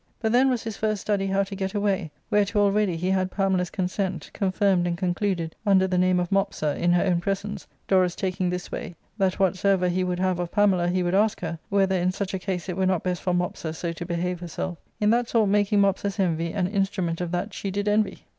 But then was his first study how to get away, whereto already he had Pamela's consent, confirmed and concluded under the name of Mopsa in her own presence, Dorus taking this way, that whatsoever he would have of Pamela he would ask her, whether in such a case it were not best for Mopsa so to behave herself, in that sort making Mopsa's envy an instrument of that she did envy.